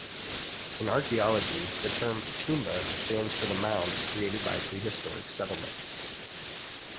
In archaeology the term Toumba stands for the mounds created by prehistoric settlements.